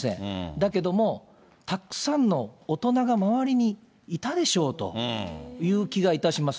だけども、たくさんの大人が周りにいたでしょうという気がいたします。